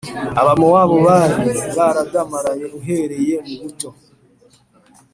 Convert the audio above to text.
Abamowabu bari baradamaraye uhereye mu buto